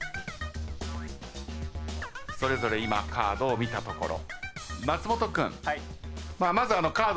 それぞれ今カードを見たところ。